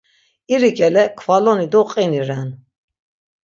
İri k̆ele kvaloni do qini ren.